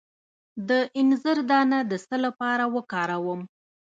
د انځر دانه د څه لپاره وکاروم؟